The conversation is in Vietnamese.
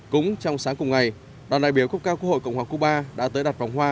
cũng trong sáng cùng ngày đoàn đại biểu quốc cao quốc hội cộng hòa cuba đã tới đặt vòng hoa